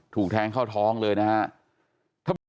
ถูกแทงเข้าท้องเลยนะครับ